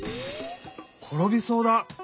ころびそうだ！